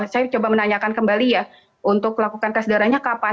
saya coba menanyakan kembali ya untuk lakukan tes darahnya kapan